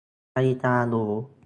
- นาฬิกาหรู